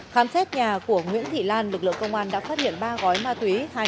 khám xét nhà của nguyễn thị lan lực lượng công an đã phát hiện ba gói ma túy